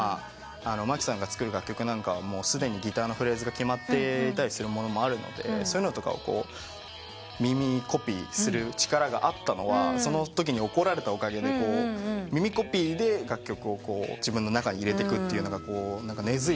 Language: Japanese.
牧さんが作る楽曲はすでにギターのフレーズが決まってたりするものもあるのでそういうのとかを耳コピする力があったのはそのときに怒られたおかげで耳コピで楽曲を自分の中に入れてくのが根付いてたんで。